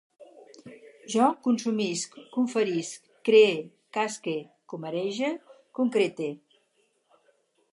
Jo consumisc, conferisc, cree, casque, comarege, concrete